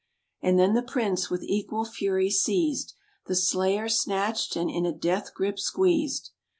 And then the Prince, with equal fury seized, The slayer snatched, and in a death grip squeezed.